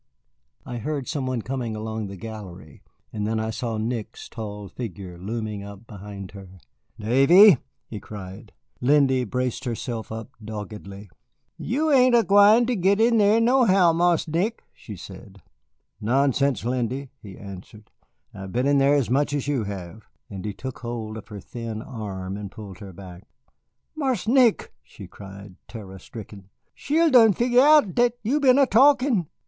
I heard some one coming along the gallery, and then I saw Nick's tall figure looming up behind her. "Davy," he cried. Lindy braced herself up doggedly. "Yo' ain't er gwine to git in thar nohow, Marse Nick," she said. "Nonsense, Lindy," he answered, "I've been in there as much as you have." And he took hold of her thin arm and pulled her back. "Marse Nick!" she cried, terror stricken, "she'll done fin' out dat you've been er talkin'."